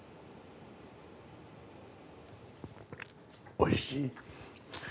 おいしい。